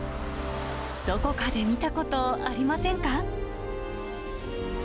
どこかで見たことありませんか。